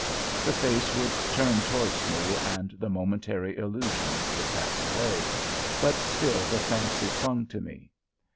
The face would turn towards me, and the momentary illusion would pass away, but still the fancy clung to me.